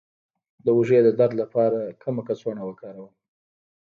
د اوږې د درد لپاره کومه کڅوړه وکاروم؟